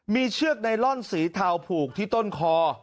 มีเชือกไนลอนสีเทาผูกที่ต้นคอ